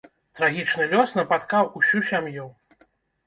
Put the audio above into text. Трагічны лёс напаткаў усю сям'ю.